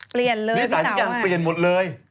เปลี่ยนเลยนี่สาวที่ยังเปลี่ยนหมดเลย